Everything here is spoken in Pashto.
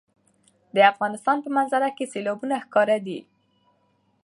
د افغانستان په منظره کې سیلابونه ښکاره دي.